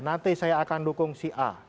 nanti saya akan dukung si a